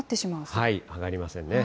上がりませんね。